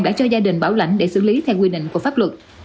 đã cho gia đình bảo lãnh để xử lý theo quy định của pháp luật